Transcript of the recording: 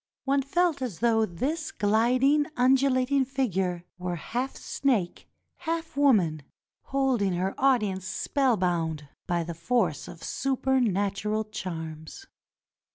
One felt as though this gliding, undulating figure were half snake, half woman, holding her audience spellbound by the force of super natural charms.